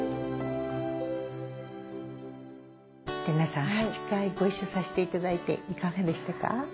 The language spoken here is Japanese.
麗奈さん８回ご一緒させて頂いていかがでしたか？